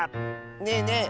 ねえねえ！